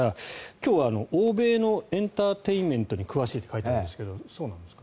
今日は欧米のエンターテインメントに詳しいと書いてあるんですがそうなんですか？